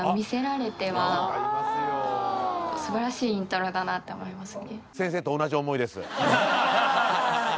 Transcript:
素晴らしいイントロだなって思いますね。